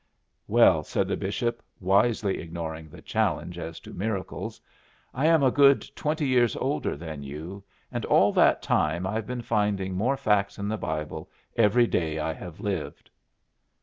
"Well," said the bishop, wisely ignoring the challenge as to miracles, "I am a good twenty years older than you, and all that time I've been finding more facts in the Bible every day I have lived."